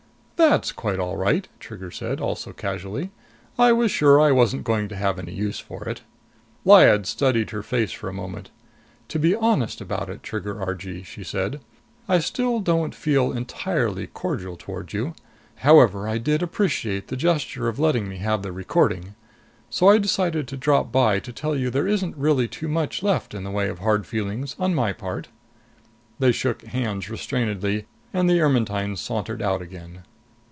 "That's quite all right," Trigger said, also casually. "I was sure I wasn't going to have any use for it." Lyad studied her face for a moment. "To be honest about it, Trigger Argee," she said, "I still don't feel entirely cordial toward you! However, I did appreciate the gesture of letting me have the recording. So I decided to drop by to tell you there isn't really too much left in the way of hard feelings, on my part." They shook hands restrainedly, and the Ermetyne sauntered out again.